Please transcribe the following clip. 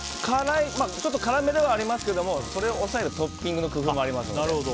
ちょっと辛めではありますけどもそれを抑えるトッピングの工夫もありますので。